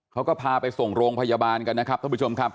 เขาก็พาไปส่งโรงพยาบาลกันนะครับท่านผู้ชมครับ